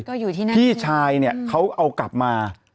ก็อยู่ที่นั่นพี่ชายเนี่ยเขาเอากลับมา